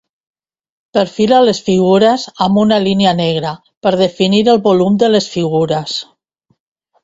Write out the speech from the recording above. Perfila les figures amb una línia negra per definir el volum de les figures.